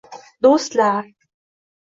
Do'stlar!